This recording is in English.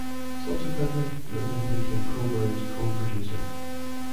Subsequently, Linden became Cockburn's co-producer.